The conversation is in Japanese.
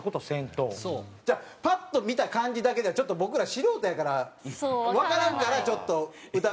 パッと見た感じだけではちょっと僕ら素人やからわからんからちょっと疑いました。